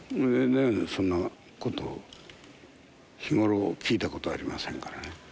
そんなこと、日頃聞いたことありませんからね。